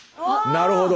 なるほど！